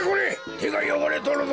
てがよごれとるぞ。